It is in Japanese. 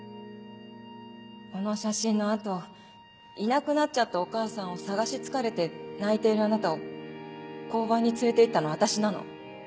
この写真の後いなくなっちゃったお母さんを捜し疲れて泣いているあなたを交番に連れて行ったの私なの。